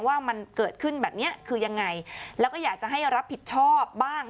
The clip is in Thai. ว่ามันเกิดขึ้นแบบเนี้ยคือยังไงแล้วก็อยากจะให้รับผิดชอบบ้าง